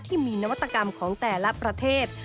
ที่มีนวัตกรรมของแต่ละประเทศ